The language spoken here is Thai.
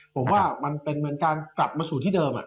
ผมว่ามันเป็นเหมือนการกลับมาสู่ที่เดิม